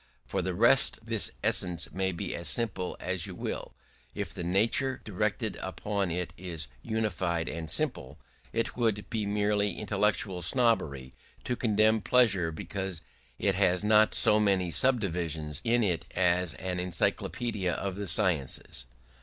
For the rest this essence may be as simple as you will, if the nature directed upon it is unified and simple; and it would be mere intellectual snobbery to condemn pleasure because it has not so many subdivisions in it as an encyclopaedia of the sciences.